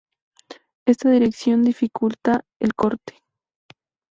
Esta dirección dificulta el corte.